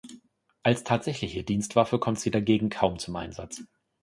Als tatsächliche Dienstwaffe kommt sie dagegen kaum zum Einsatz.